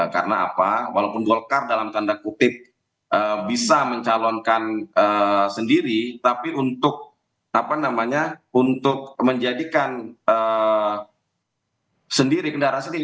karena apa walaupun golkar dalam tanda kutip bisa mencalonkan sendiri tapi untuk menjadikan sendiri kendaraan sendiri